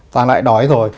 ta lại đói rồi